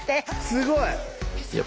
すごい。